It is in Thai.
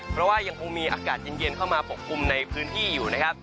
เพราะว่ายังคงมีอากาศเย็นเข้ามาปกคลุมในพื้นที่อยู่นะครับ